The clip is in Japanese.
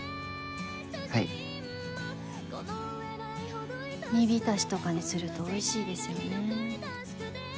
はい煮浸しとかにするとおいしいですよね